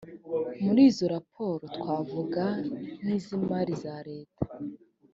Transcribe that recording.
muri izo raporo twavuga nkizimari z’areta